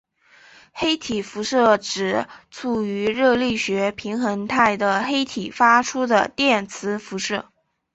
黑体辐射指处于热力学平衡态的黑体发出的电磁辐射。